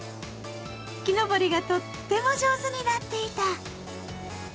木登りがとっても上手になっていた。